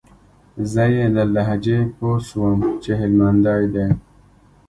زه يې له لهجې پوه سوم چې هلمندى دى.